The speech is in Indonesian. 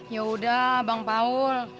yaudah bang paul